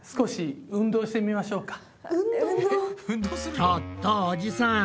ちょっとおじさん！